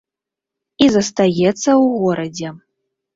І застаецца ў горадзе.